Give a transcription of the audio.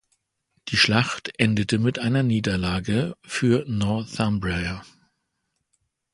Die Schlacht endete mit einer Niederlage für Northumbria.